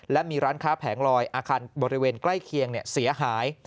และมีร้านค้าแผงลอยอาคารบริเวณใกล้เคียงเสียหาย